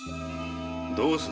どうする？